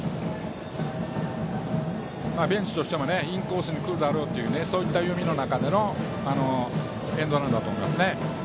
ベンチとしてもインコースに来るだろうというそういった読みの中でのエンドランだと思います。